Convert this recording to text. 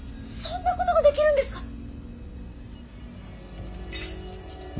そんなことができるんですか！